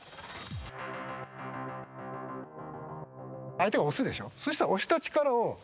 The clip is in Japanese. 相手が押すでしょ。